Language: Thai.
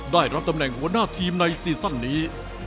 ได้รับตำแหน่งหัวหน้าทีมในซีซั่นนี้